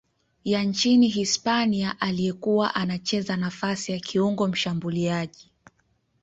ya nchini Hispania aliyekuwa anacheza nafasi ya kiungo mshambuliaji.